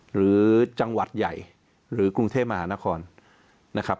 หรือจังหวัดใหญ่หรือกรุงเทพมหานครนะครับ